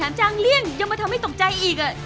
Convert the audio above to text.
เนคถั้งจางเลี่ยงย่อมมาให้ตกใจอีก